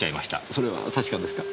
それは確かですか？